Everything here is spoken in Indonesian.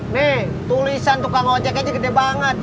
nih tulisan tukang ojek aja gede banget